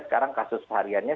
sekarang kasus variannya